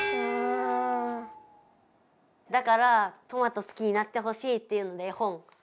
だからトマト好きになってほしいっていうので絵本。